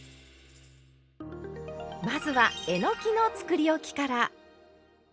まずはえのきのつくりおきから。